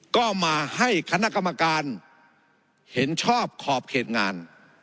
ก็มาให้คณะกรรมการเห็นชอบขอบเขตงาน